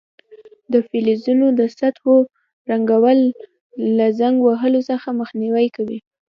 د فلزونو د سطحو رنګول له زنګ وهلو څخه مخنیوی کوي.